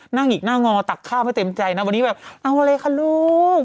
นั่งอีกนั่งงอตักข้าวไม่เต็มใจน่ะวันนี้แบบเอาอะไรคะลูก